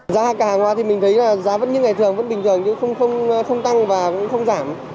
giá cả hàng hóa thì mình thấy là giá vẫn như ngày thường vẫn bình thường chứ không tăng và cũng không giảm